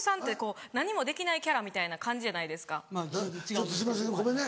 ちょっとすいませんごめんね。